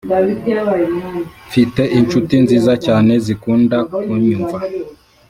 mfite ishuti nziza cyane zikunda kunyumva